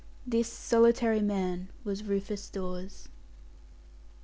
This solitary man was Rufus Dawes.